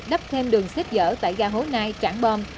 đắp thêm đường xếp dở tại ga hố nai trảng bom